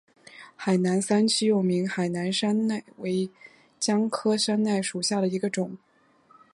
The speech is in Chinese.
海南三七又名海南山柰为姜科山柰属下的一个种。